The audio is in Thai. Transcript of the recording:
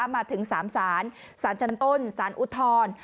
มาถึง๓ศาลศาลชันต้นศาลอุทธรณ์